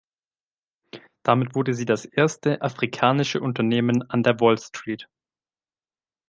Damit wurde sie das erste afrikanische Unternehmen an der Wall Street.